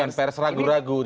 bukan pers ragu ragu